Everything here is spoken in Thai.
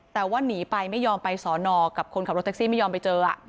แต่ว่าหนีไปไม่ยอมไปสอนอกับคนขับรถแท็กซี่ไม่ยอมไปเจอ